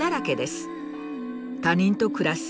他人と暮らす。